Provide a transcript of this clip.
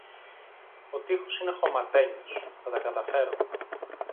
Ο τοίχος είναι χωματένιος, θα τα καταφέρω